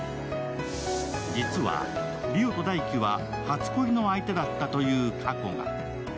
実は梨央と大輝は初恋の相手だったという過去が。